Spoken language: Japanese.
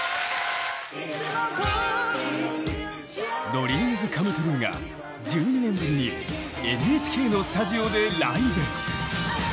ＤＲＥＡＭＳＣＯＭＥＴＲＵＥが１２年ぶりにＮＨＫのスタジオでライブ！